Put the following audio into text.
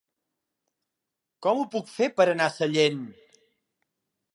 Com ho puc fer per anar a Sellent?